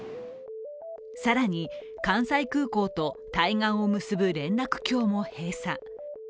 更に、関西空港と対岸を結ぶ連絡橋も閉鎖。